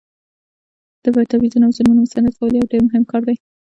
د تبعیضونو او ظلمونو مستند کول یو ډیر مهم کار دی.